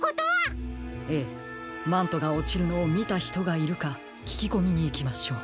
ええマントがおちるのをみたひとがいるかききこみにいきましょう。